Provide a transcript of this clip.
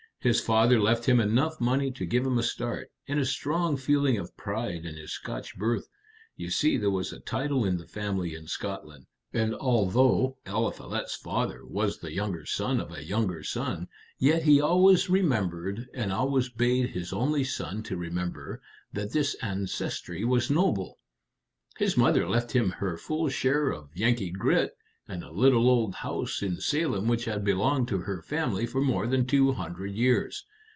His father left him enough money to give him a start, and a strong feeling of pride in his Scotch birth; you see there was a title in the family in Scotland, and although Eliphalet's father was the younger son of a younger son, yet he always remembered, and always bade his only son to remember, that this ancestry was noble. His mother left him her full share of Yankee grit and a little old house in Salem which had belonged to her family for more than two hundred years.